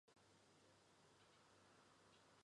本季起点为纽约市曼哈顿的时报广场。